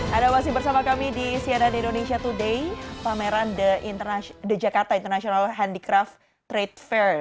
ada masih bersama kami di cnn indonesia today pameran the jakarta international handicraft trade fair